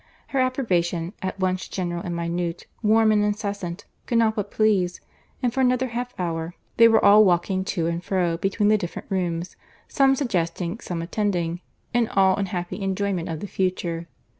Her approbation, at once general and minute, warm and incessant, could not but please; and for another half hour they were all walking to and fro, between the different rooms, some suggesting, some attending, and all in happy enjoyment of the future.